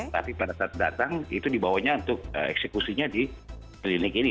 tapi pada saat datang itu dibawanya untuk eksekusinya di klinik ini